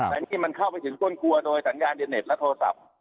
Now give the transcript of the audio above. แต่นี่มันเข้าไปถึงต้นกลัวโดยสัญญาณเด็ตและโทรศัพท์